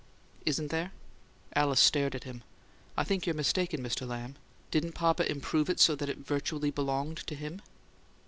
"Isn't there?" Alice stared at him. "I think you're mistaken, Mr. Lamb. Didn't papa improve it so that it virtually belonged to him?"